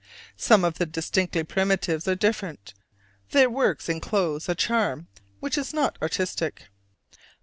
Some of the distinctly primitives are different; their works inclose a charm which is not artistic.